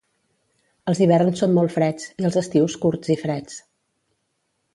Els hiverns són molt freds, i els estius curts i freds.